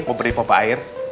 mau beri popa air